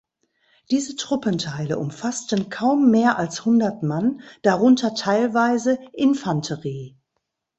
Diese Truppenteile umfassten kaum mehr als hundert Mann, darunter teilweise Infanterie.